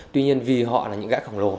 tuy nhiên vì họ là những gã khổng lồ